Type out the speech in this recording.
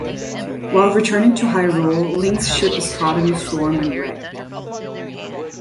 While returning to Hyrule, Link's ship is caught in a storm and wrecked.